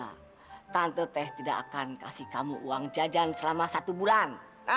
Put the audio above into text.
aduh nasib emang udah abis abisan